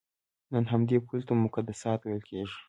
نن همدې پولو ته مقدسات ویل کېږي.